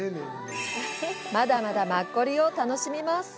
まだまだマッコリを楽しみます！